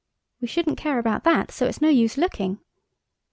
"We shouldn't care about that, so it's no use looking.